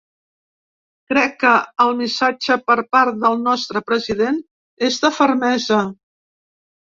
Crec que el missatge per part del nostre president és de fermesa.